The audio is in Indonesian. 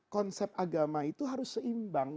konsep agama itu harus seimbang